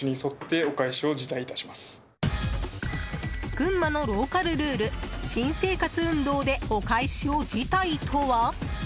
群馬のローカルルール新生活運動でお返しを辞退とは？